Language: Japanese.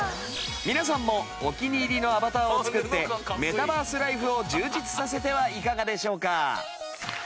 皆さんもお気に入りのアバターを作ってメタバースライフを充実させてはいかがでしょうか？